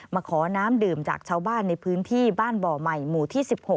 มาขอน้ำดื่มจากชาวบ้านในพื้นที่บ้านบ่อใหม่หมู่ที่๑๖